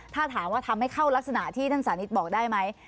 ถ้าถามว่าทำให้เข้ารักษณะที่ท่านสานิทบอกได้ไหม